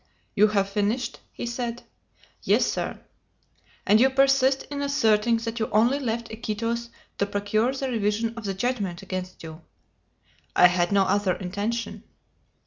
"You have finished?" he said. "Yes, sir." "And you persist in asserting that you only left Iquitos to procure the revision of the judgment against you." "I had no other intention."